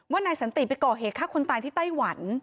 นายสันติไปก่อเหตุฆ่าคนตายที่ไต้หวัน